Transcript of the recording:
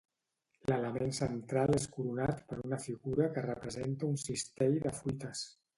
L'element central és coronat per una figura que representa un cistell de fruites.